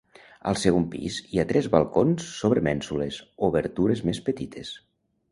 Al segon pis hi ha tres balcons sobre mènsules, obertures més petites.